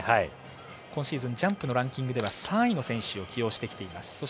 今シーズンジャンプのランキングでは３位の選手を起用してきています。